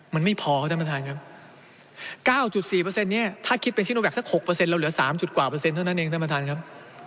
มันไม่พอครับท่านประทานครับ๙๔เนี่ยถ้าคิดเป็นชิโนแวคสัก๖เราเหลือ๓๕เท่านั้นเองท่านประทานครับ